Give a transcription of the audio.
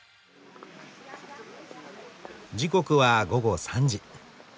時刻は午後３時。